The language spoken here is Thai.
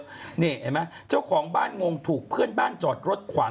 นี่เห็นไหมเจ้าของบ้านงงถูกเพื่อนบ้านจอดรถขวาง